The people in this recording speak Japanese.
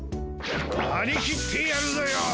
はりきってやるぞよ！